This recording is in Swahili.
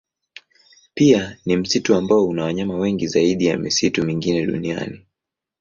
Pia ni msitu ambao una wanyama wengi zaidi ya misitu mingine duniani.